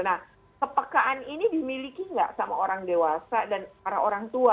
nah kepekaan ini dimiliki nggak sama orang dewasa dan para orang tua